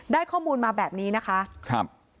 ได้ข้อมูลมาแบบนี้นะคะ